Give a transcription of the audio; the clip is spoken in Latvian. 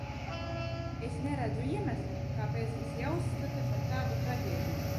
Es neredzu iemesla, kāpēc tas jāuzskata par tādu traģēdiju.